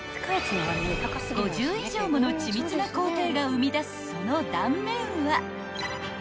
［５０以上もの緻密な工程が生み出すその断面は］